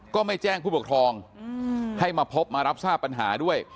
ก็ไม่แจ้งผู้ปกครองให้มาพบมารับทราบปัญหาด้วย